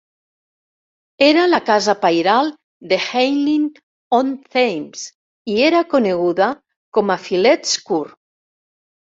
Era la casa pairal de Henley-on-Thames i era coneguda com a "Fillets Court".